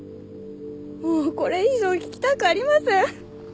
もうこれ以上聞きたくありません！